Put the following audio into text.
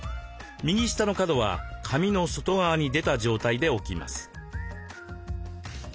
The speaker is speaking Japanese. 右下の角は紙の外側に出た状態で置きます。